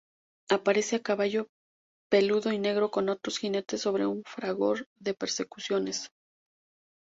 Aparece a caballo, peludo y negro, con otros jinetes, sobre un fragor de percusiones.